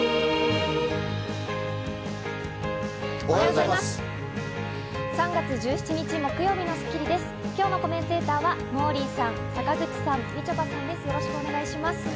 おはようございます。